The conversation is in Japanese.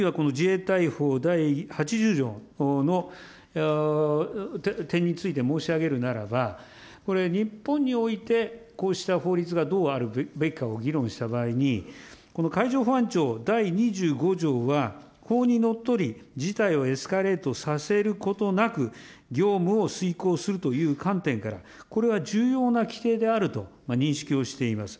第２５条、あるいはこの自衛隊法第８０条の点について申し上げるならば、これ、日本においてこうした法律がどうあるべきかを議論した場合に、この海上保安庁法第２５条は法にのっとり、事態をエスカレートさせることなく、業務を遂行するという観点から、これは重要な規定であると認識をしています。